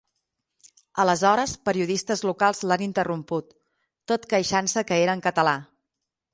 Aleshores periodistes locals l’han interromput, tot queixant-se que era en català.